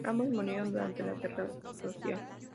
Ambos murieron durante la guerra social.